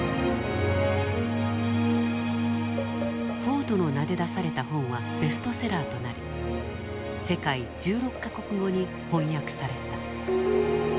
フォードの名で出された本はベストセラーとなり世界１６か国語に翻訳された。